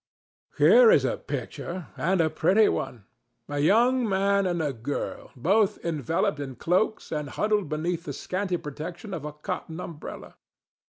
Here is a picture, and a pretty one—a young man and a girl, both enveloped in cloaks and huddled beneath the scanty protection of a cotton umbrella.